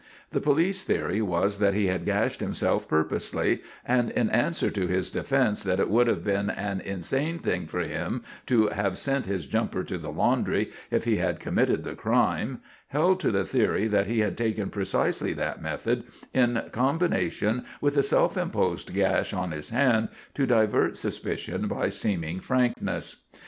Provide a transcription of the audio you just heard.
The police theory was that he had gashed himself purposely, and in answer to his defence that it would have been an insane thing for him to have sent his jumper to the laundry if he had committed the crime, held to the theory that he had taken precisely that method, in combination with the self imposed gash on his hand, to divert suspicion by seeming frankness.